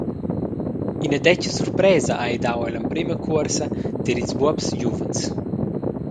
Ina dètga surpresa ha ei dau ella emprema cuorsa tier ils buobs giuvens.